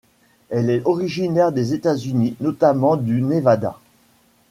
Elle est originaire des États-Unis, notamment du Nevada.